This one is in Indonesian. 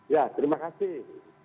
ya terima kasih